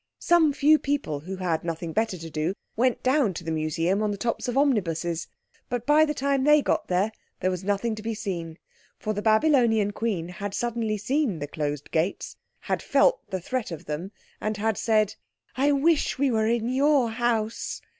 Some few people who had nothing better to do went down to the Museum on the tops of omnibuses. But by the time they got there there was nothing to be seen. For the Babylonian Queen had suddenly seen the closed gates, had felt the threat of them, and had said— "I wish we were in your house."